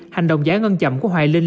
hành động giả ngân chậm của hoài linh